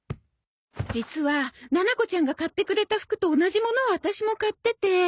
実はななこちゃんが買ってくれた服と同じものをワタシも買ってて。